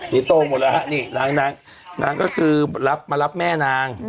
นี่โตหมดแล้วฮะนี่นางก็คือรับมารับแม่นาง